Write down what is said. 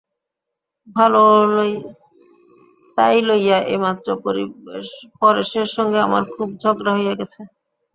তাই লইয়া এইমাত্র পরেশের সঙ্গে আমার খুব ঝগড়া হইয়া গেছে।